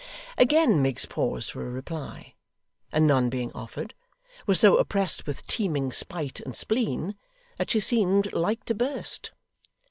Again Miggs paused for a reply; and none being offered, was so oppressed with teeming spite and spleen, that she seemed like to burst.